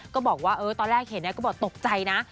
ก็บอกว่าตอนแรกเห็นก็บอกตกใจนะ